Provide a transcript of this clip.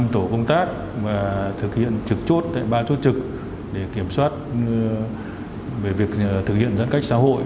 năm tổ công tác thực hiện trực chốt tại ba chốt trực để kiểm soát về việc thực hiện giãn cách xã hội